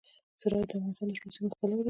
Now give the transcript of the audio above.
زراعت د افغانستان د شنو سیمو ښکلا ده.